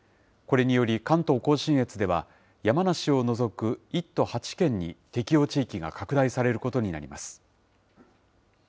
これにより、関東甲信越では、山梨を除く１都８県に適用地域が拡大されることになります。